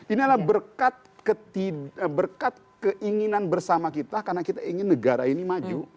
ini adalah berkat keinginan bersama kita karena kita ingin negara ini maju